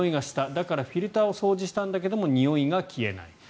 だから、フィルターを掃除したんだけれどもにおいが消えない。